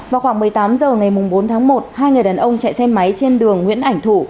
vào khoảng một mươi tám h ngày bốn tháng một hai người đàn ông chạy xe máy trên đường nguyễn ảnh thủ